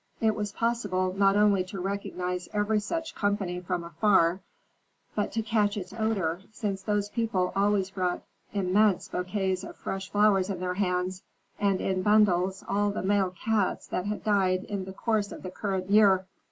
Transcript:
It was possible not only to recognize every such company from afar, but to catch its odor, since those people always brought immense bouquets of fresh flowers in their hands, and in bundles all the male cats that had died in the course of the current year.